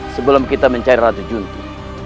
sebelum kita mencari ratu junti